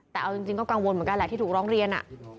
แต่เอาจริงก็กังวลเหมือนกันแหละที่ถูกร้องเรียน